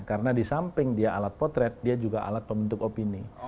karena di samping dia alat potret dia juga alat pembentuk opini